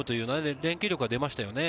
連係力が出ましたね。